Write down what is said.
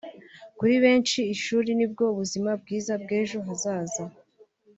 Kuri benshi ishuri nibwo buzima bwiza bw’ejo hazaza